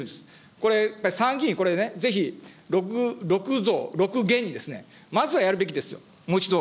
これ、やっぱり参議院、これね、ぜひ、６増を６減にまずはやるべきですよ。